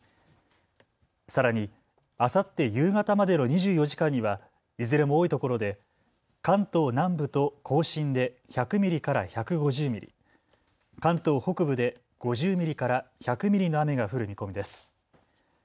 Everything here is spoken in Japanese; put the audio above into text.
さらにあさって夕方までの２４時間にはいずれも多いところで関東南部と甲信で１００ミリから１５０ミリ、関東北部で５０ミリから１００ミリの雨が降る見込みです。